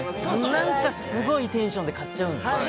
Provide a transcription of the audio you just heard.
何かすごいテンションで買っちゃうんですよ。